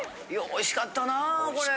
おいしかったこれ。